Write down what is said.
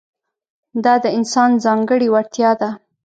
دا د انسان ځانګړې وړتیا ده.